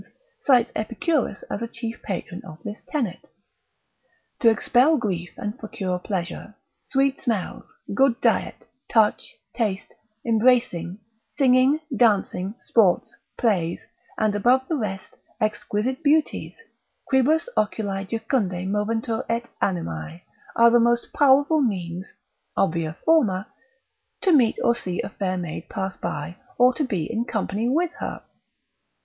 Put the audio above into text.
cites Epicurus as a chief patron of this tenet. To expel grief, and procure pleasure, sweet smells, good diet, touch, taste, embracing, singing, dancing, sports, plays, and above the rest, exquisite beauties, quibus oculi jucunde moventur et animi, are most powerful means, obvia forma, to meet or see a fair maid pass by, or to be in company with her.